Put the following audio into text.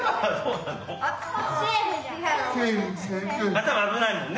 頭危ないもんね。